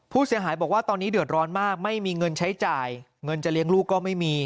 ผู้เสียหายบอกว่าตอนนี้เดือดร้อนมากไม่มีเงินใช้จ่ายเงินจะเลี้ยงลูกก็ไม่มี